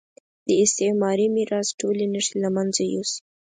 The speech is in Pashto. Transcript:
د استعماري میراث ټولې نښې له مېنځه یوسي.